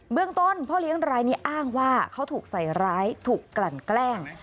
เรื่องต้นพ่อเลี้ยงรายนี้อ้างว่าเขาถูกใส่ร้ายถูกกลั่นแกล้ง